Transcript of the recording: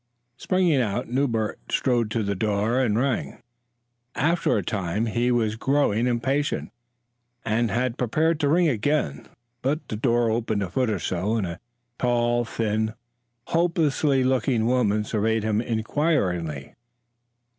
Springing out, Newbert strode to the door and rang. After a time, as he was growing impatient and had prepared to ring again, the door opened a foot or so, and a tall, thin, hopeless looking woman surveyed him inquiringly.